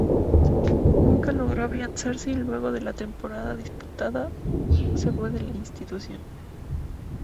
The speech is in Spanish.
Nunca logró afianzarse y luego de la temporada disputada, se fue de la institución.